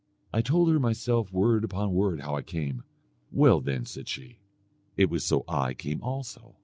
I told her myself word upon word how I came. 'Well, then,' said she, 'it was so I came also.'